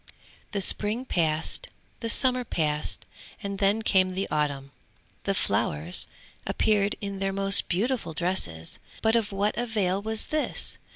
The spring passed, the summer passed, and then came the autumn. The flowers appeared in their most beautiful dresses, but of what avail was this?